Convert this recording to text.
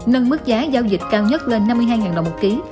nâng mức giá giao dịch cao nhất lên năm mươi hai đồng một ký